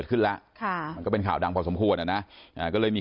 ที่จริงแล้วเขาก็คุยกันพรุ่งนี้